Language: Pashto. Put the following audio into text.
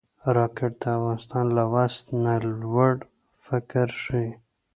راکټ د انسان له وس نه لوړ فکر ښيي